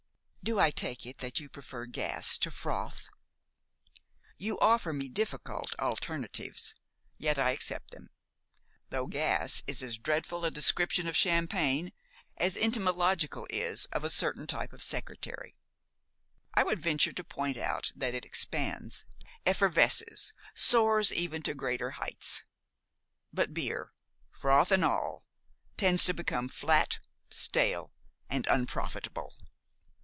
"Do I take it that you prefer gas to froth?" "You offer me difficult alternatives, yet I accept them. Though gas is as dreadful a description of champagne as entomological is of a certain type of secretary, I would venture to point out that it expands, effervesces, soars ever to greater heights; but beer, froth and all, tends to become flat, stale, and unprofitable."